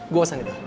gue usah gitu